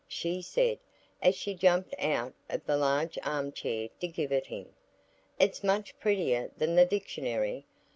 she said, as she jumped out of the large arm chair to give it him; "it's much prettier than the Dictionary.